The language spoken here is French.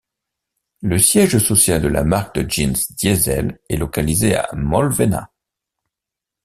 Le siège social de la marque de jeans Diesel est localisé à Molvena.